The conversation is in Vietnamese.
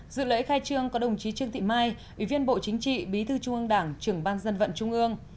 dự lễ khai trương có đồng chí trương thị mai ủy viên bộ chính trị bí thư trung ương đảng trưởng ban dân vận trung ương